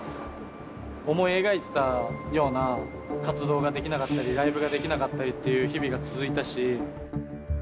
思い描いてたような活動ができなかったりライブができなかったりっていう日々が続いたし。